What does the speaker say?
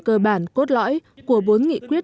cơ bản cốt lõi của bốn nghị quyết